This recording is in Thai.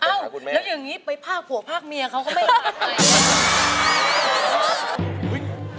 เอ้าแล้วอย่างนี้ไปภาคผัวภาคเมียเขาก็ไม่มีค่ะ